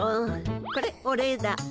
これお礼だ。